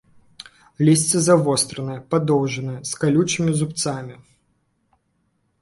Лісце завостранае, падоўжанае, з калючымі зубцамі.